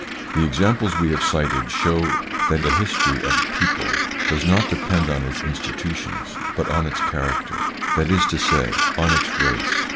THE examples we have cited show that the history of a people does not depend on its institutions, but on its character that is to say, on its 153 154 THE PSYCHOLOGY OF PEOPLES: race.